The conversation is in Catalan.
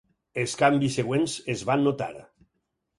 Els canvis següents es van notar.